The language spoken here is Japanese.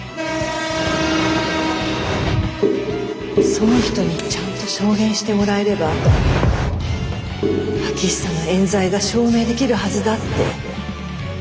その人にちゃんと証言してもらえれば秋寿の冤罪が証明できるはずだって。